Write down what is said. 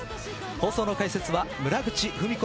放送の解説は村口史子